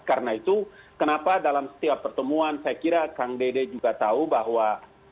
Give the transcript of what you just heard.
karena itu kenapa dalam setiap pertemuan saya kira kang dede juga tahu bahwa